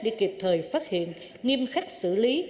để kịp thời phát hiện nghiêm khắc xử lý